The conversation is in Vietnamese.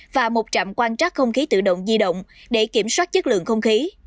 và một trạm quan trắc không khí tự động di động để kiểm soát chất lượng không khí